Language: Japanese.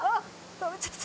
食べちゃった。